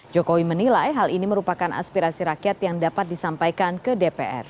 jokowi menilai hal ini merupakan aspirasi rakyat yang dapat disampaikan ke dpr